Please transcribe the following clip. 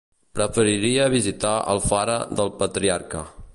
Preferiria visitar Alfara del Patriarca.